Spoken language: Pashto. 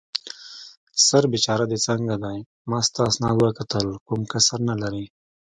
سر بېچاره دې څنګه دی؟ ما ستا اسناد وکتل، کوم کسر نه لرې.